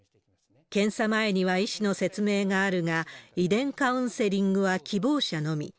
検査前には医師の説明があるが、遺伝カウンセリングは希望者のみ。